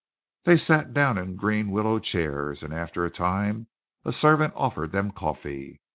They sat down in green willow chairs, and after a time a servant offered them coffee.